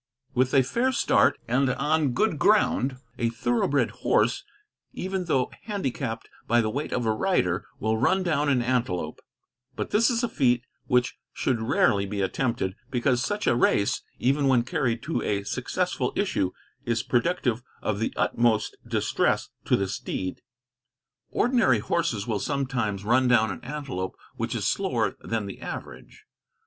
With a fair start, and on good ground, a thoroughbred horse, even though handicapped by the weight of a rider, will run down an antelope; but this is a feat which should rarely be attempted, because such a race, even when carried to a successful issue, is productive of the utmost distress to the steed. Ordinary horses will sometimes run down an antelope which is slower than the average.